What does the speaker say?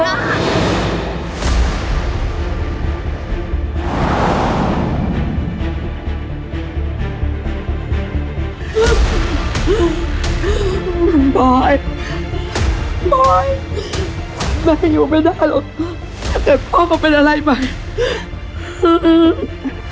มันปล่อยปล่อยแม่อยู่ไม่ได้หรอกแต่พ่อมันเป็นอะไรไหม